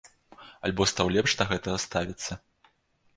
Альбо стаў лепш да гэтага ставіцца.